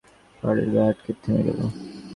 অন্য গাড়িটা খানিকটা গড়িয়ে পাহাড়ের গায়ে আটকে থেমে গেল।